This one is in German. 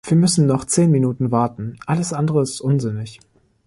Wir müssen noch zehn Minuten warten, alles andere ist unsinnig.